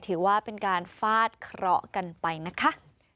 ถือว่าเป็นการฟาดเคราะห์กันไปนะคะ